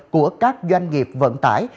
của các doanh nghiệp vận tải